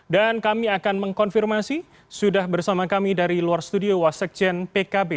dan kami akan mengkonfirmasi sudah bersama kami dari luar studio wasekjen pkb